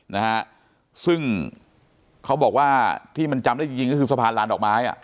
นะฮะซึ่งเขาบอกว่าที่มันจำได้จริงจริงก็คือสะพานลานดอกไม้อ่ะ